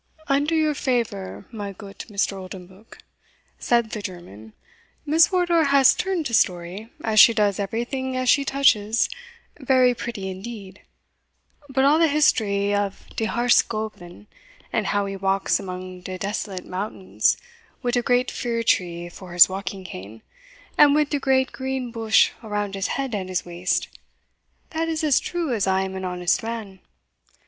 "Under your favour, my goot Mr. Oldenbuck," said the German, "Miss Wardour has turned de story, as she does every thing as she touches, very pretty indeed; but all the history of de Harz goblin, and how he walks among de desolate mountains wid a great fir tree for his walking cane, and wid de great green bush around his head and his waist that is as true as I am an honest man."